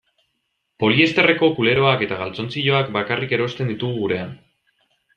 Poliesterreko kuleroak eta galtzontziloak bakarrik erosten ditugu gurean.